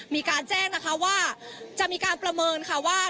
มีการแจ้งนะคะว่าจะมีการประเมินค่ะว่า